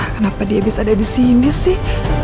kenapa dia bisa ada di sini sih